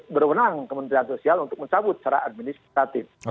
berwenang kementerian sosial untuk mencabut secara administratif